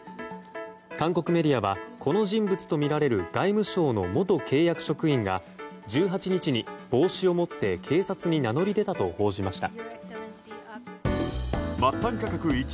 韓国メディアはこの人物とみられる外務省の元契約職員が１８日に、帽子を持って警察に名乗り出たと報じました。